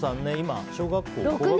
今、小学校。